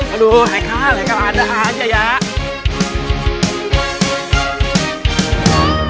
eh keluar damit